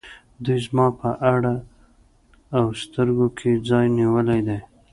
دوی زما په زړه او سترګو کې ځای نیولی دی.